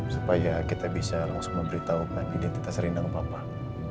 supaya kita bisa langsung memberitahukan identitas rina ke bapak